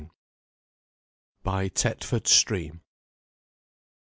BY TETFORD STREAM.